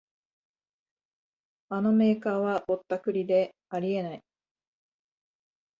あのメーカーはぼったくりであり得ない